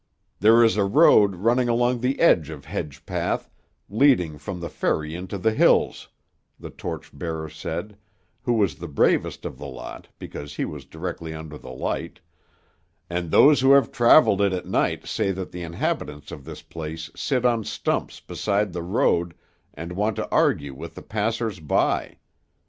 "There is a road running along the edge of Hedgepath, leading from the ferry into the hills," the torch bearer said, who was the bravest of the lot, because he was directly under the light, "and those who have travelled it at night say that the inhabitants of this place sit on stumps beside the road and want to argue with the passers by.